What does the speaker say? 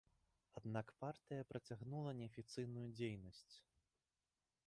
Аднак партыя працягнула неафіцыйную дзейнасць.